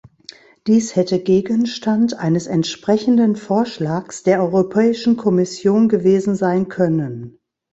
Dies hätte Gegenstand eines entsprechenden Vorschlags der Europäischen Kommission gewesen sein können.